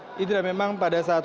itu adalah memang pada saat terjadi